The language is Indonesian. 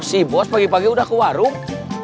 si bos pagi pagi udah ke warung